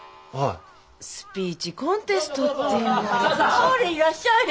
あれいらっしゃい。